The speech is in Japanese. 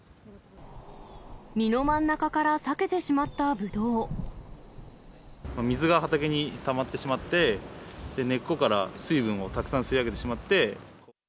実の真ん中から裂けてしまっ水が畑にたまってしまって、根っこから水分をたくさん吸い上げてしまって。